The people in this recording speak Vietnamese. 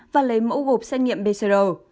và lấy mẫu gộp xét nghiệm pcr